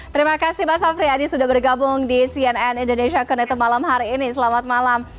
terima kasih mbak safri adi sudah bergabung di cnn indonesia connected malam hari ini selamat malam